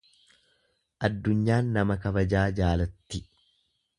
Addunyaan nama kabajaa jaalatti.